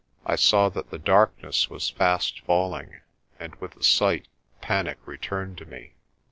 I saw that the darkness was fast falling, and with the sight panic returned to me.